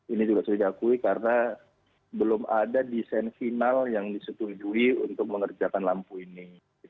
ini juga sudah diakui karena belum ada desain final yang disetujui untuk mengerjakan lampu ini